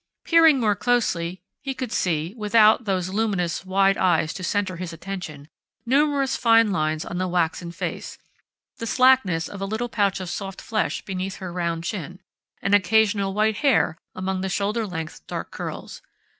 Peering more closely, he could see without those luminous, wide eyes to center his attention numerous fine lines on the waxen face, the slackness of a little pouch of soft flesh beneath her round chin, an occasional white hair among the shoulder length dark curls....